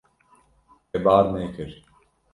Te bar nekir.